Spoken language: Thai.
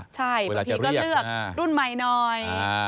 ใช่พี่ก็เลือกรุ่นใหม่น้อย